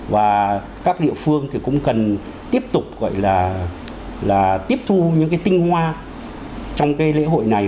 và các địa phương thì cũng cần tiếp tục gọi là tiếp thu những cái tinh hoa trong cái lễ hội này